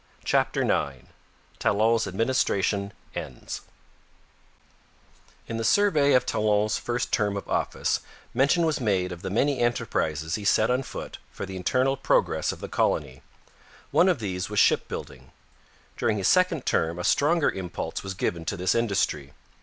CHAPTER IX TALON'S ADMINISTRATION ENDS In the survey of Talon's first term of office mention was made of the many enterprises he set on foot for the internal progress of the colony. One of these was shipbuilding. During his second term a stronger impulse was given to this industry.